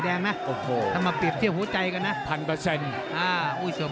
ไม่งั้นจะชี่เก่าเลือดเดือดหรอ